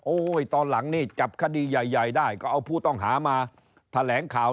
ตอนหลังนี่จับคดีใหญ่ได้ก็เอาผู้ต้องหามาแถลงข่าว